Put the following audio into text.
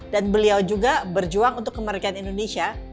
dan beliau juga berjuang untuk kemerdekaan indonesia